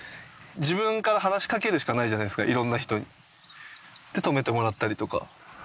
自分から話しかけるしかないじゃないですかいろんな人に。で泊めてもらったりとか。